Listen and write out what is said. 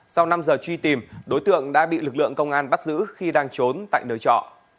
sau năm giờ truy tìm đối tượng đã bị lực lượng công an bắt giữ khi đang trốn tại nơi trọ